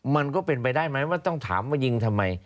มันก็เป็นไปได้ไหมว่าต้องถามว่ายิงทำไม